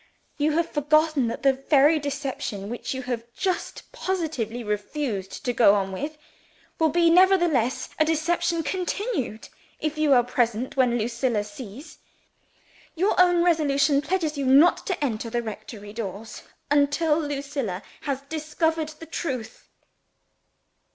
You have forgotten that the very deception which you have just positively refused to go on with, will be nevertheless a deception continued, if you are present when Lucilla sees. Your own resolution pledges you not to enter the rectory doors until Lucilla has discovered the truth."